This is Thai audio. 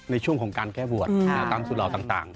ในช่วงของการแก้บวชตามสุดเหล่าต่าง